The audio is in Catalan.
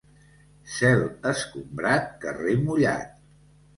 Cel escombrat, carrer mullat.